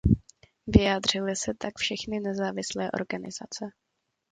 Vyjádřily se tak všechny nezávislé organizace.